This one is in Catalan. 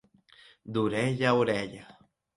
D'orella a orella.